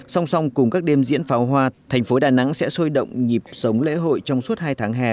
song song cùng các đêm diễn pháo hoa thành phố đà nẵng sẽ sôi động nhịp sống lễ hội trong suốt hai tháng hè